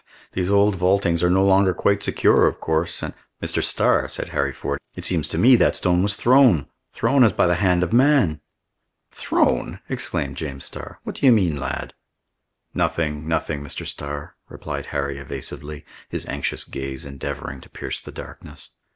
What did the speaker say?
these old vaultings are no longer quite secure, of course, and—" "Mr. Starr," said Harry Ford, "it seems to me that stone was thrown, thrown as by the hand of man!" "Thrown!" exclaimed James Starr. "What do you mean, lad?" "Nothing, nothing, Mr. Starr," replied Harry evasively, his anxious gaze endeavoring to pierce the darkness.